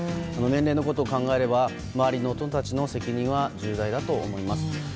年齢のことを考えれば周りの人たちの責任は重大だと思います。